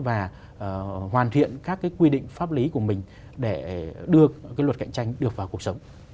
và hoàn thiện các cái quy định pháp lý của mình để đưa luật cạnh tranh được vào cuộc sống